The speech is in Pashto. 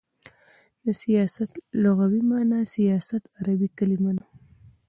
د سیاست لغوی معنا : سیاست عربی کلمه ده.